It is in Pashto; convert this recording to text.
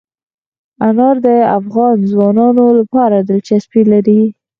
انار د افغان ځوانانو لپاره دلچسپي لري.